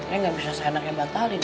neng gak bisa se enak enak batalin